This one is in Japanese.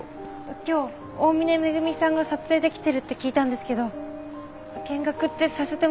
今日大峰恵さんが撮影で来てるって聞いたんですけど見学ってさせてもらえないですか？